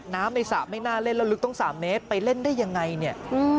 น้ำในสะไม่น่าเล่นแล้วลึกต้อง๓เมตรไปเล่นได้ยังไง